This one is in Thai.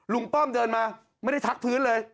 ป้อมเดินมาไม่ได้ทักพื้นเลย